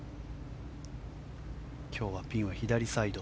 今日はピンは左サイド